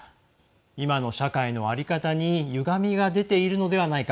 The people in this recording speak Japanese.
今の社会の在り方にゆがみが出ているのではないか。